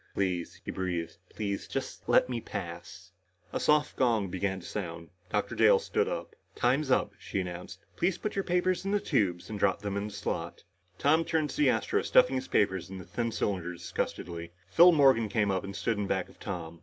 "Please," he breathed, "please, just let me pass " A soft gong began to sound. Dr. Dale stood up. "Time's up," she announced. "Please put your papers in the tubes and drop them in the slot." Tom turned to see Astro stuffing his papers in the thin cylinder disgustedly. Phil Morgan came up and stood in back of Tom.